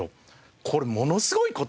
これものすごい事で。